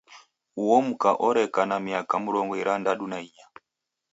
Uo mka oreka na miaka mrongo irandadu na inya.